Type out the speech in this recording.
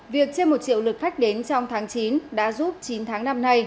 việc trên một triệu lượt khách đến trong tháng chín đã giúp chín tháng năm nay